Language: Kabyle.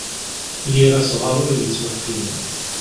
Yir asɣar ur yettleqqim.